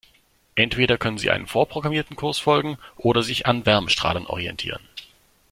Entweder können sie einem vorprogrammierten Kurs folgen oder sich an Wärmestrahlern orientieren.